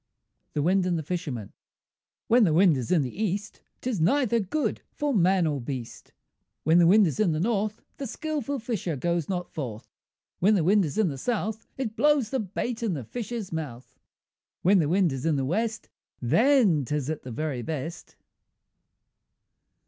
THE WIND AND THE FISHERMAN When the wind is in the East, 'Tis neither good for man or beast; When the wind is in the North, The skilful fisher goes not forth; When the wind is in the South, It blows the bait in the fish's mouth; When the wind is in the West, Then 'tis at the very best.